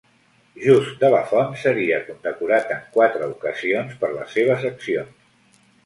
Just de la Font seria condecorat en quatre ocasions per les seves accions.